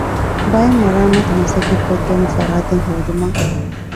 ބައެއް މަރާމާތު މަސައްކަތް ކޮށްދޭނެ ފަރާތެއް ހޯދުމަށް